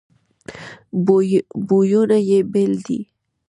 بویونه یې بیل دي.